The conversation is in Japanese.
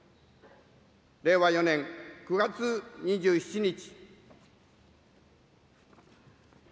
令和４年９月２７日。